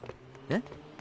えっ？